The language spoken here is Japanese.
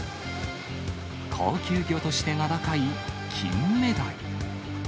高級魚として名高いキンメダイ。